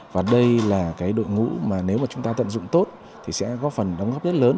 và đây là đội ngũ nếu chúng ta tận dụng tốt thì sẽ có phần đóng góp rất lớn